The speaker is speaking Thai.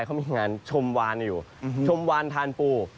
เขามีงานชมวานอยู่ชมวานทานปู